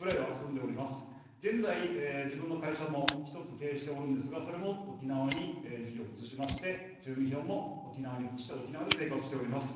現在、自分の会社も１つ経営しておるんですが、それも沖縄に事業を移しまして、住民票も沖縄に移して、沖縄で生活しております。